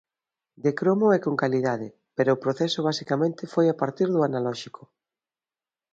De cromo e con calidade, pero o proceso basicamente foi a partir do analóxico.